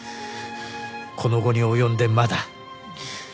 この期に及んでまだ。